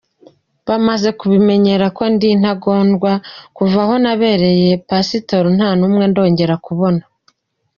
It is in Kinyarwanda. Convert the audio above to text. Bamaze kubimenya ko ndi intagondwa kuva aho nabereye Pasitoro nta n’umwe ndongera kubona.